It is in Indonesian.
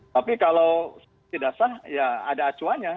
tapi kalau tidak sah ya ada acuannya